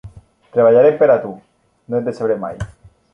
Treballaré per a tu, no et decebré mai.